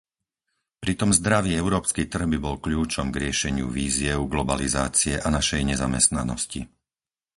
Pritom zdravý európsky trh by bol kľúčom k riešeniu výziev globalizácie a našej nezamestnanosti.